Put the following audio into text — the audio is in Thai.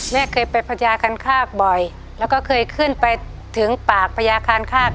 แม่เคยไปพระยาคันฆาตบ่อยแล้วก็เคยขึ้นไปถึงปากพระยาคันฆาต